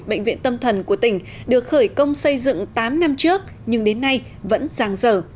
bệnh viện tâm thần của tỉnh được khởi công xây dựng tám năm trước nhưng đến nay vẫn giang dở